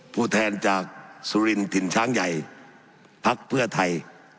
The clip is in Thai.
ผู้แทนจากสุรินถิ่นช้างใหญ่พักเพื่อไทย